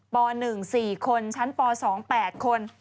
ป๑๔คนชั้นป๒๘คน